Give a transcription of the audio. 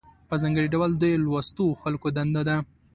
په ځانګړي ډول د لوستو خلکو دنده ده.